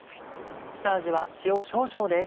下味は塩少々です。